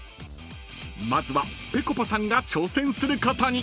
［まずはぺこぱさんが挑戦することに］